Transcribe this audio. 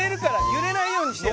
揺れないようにしてる。